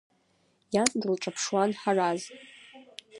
Иан дылҿаԥшуан Ҳараз.